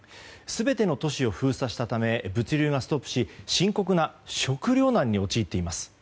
全ての都市を封鎖したため物流がストップし深刻な食糧難に陥っています。